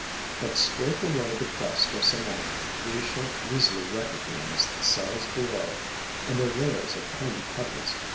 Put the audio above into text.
But scrape away the crust of cement and we shall easily recognize the cells below and their layers of tiny pebbles.